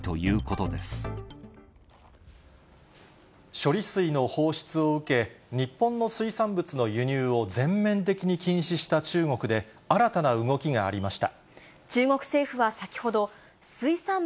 処理水の放出を受け、日本の水産物の輸入を全面的に禁止した中国で、新たな動きがありた。